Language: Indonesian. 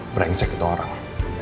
brengsek itu orang